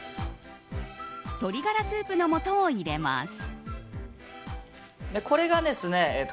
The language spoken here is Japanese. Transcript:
鶏がらスープのもとを入れます。